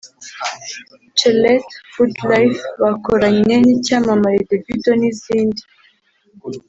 "Tchelete (Goodlife)" bakoranye n’icyamamare Davido n’izindi